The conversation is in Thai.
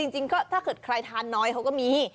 จริงก็ถ้าเกิดใครทานน้อยเขาก็มี